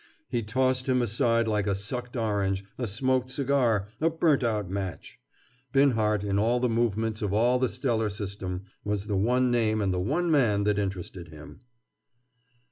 He tossed him aside like a sucked orange, a smoked cigar, a burnt out match. Binhart, in all the movements of all the stellar system, was the one name and the one man that interested him.